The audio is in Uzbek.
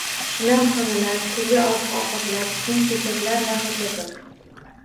Shinam xonalar, turli oziq-ovqatlar, kiyim-kechaklar va hokazo.